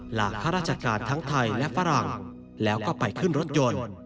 ข้าราชการทั้งไทยและฝรั่งแล้วก็ไปขึ้นรถยนต์